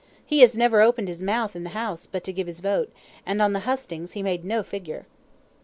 He has never opened his mouth in the House, but to give his vote, and on the hustings he made no figure."